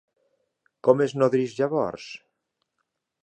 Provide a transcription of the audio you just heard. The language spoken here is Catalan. Com es nodreix llavors?